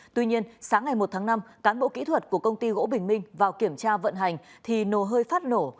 tuy nhiên sáng ngày một tháng năm cán bộ kỹ thuật của công ty gỗ bình minh vào kiểm tra vận hành thì nổ hơi phát nổ